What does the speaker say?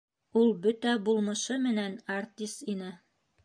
Ул бөтә булмышы менән артист ине